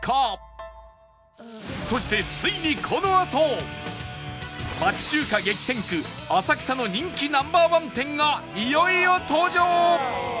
そしてついにこのあと町中華激戦区浅草の人気 Ｎｏ．１ 店がいよいよ登場！